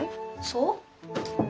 そう？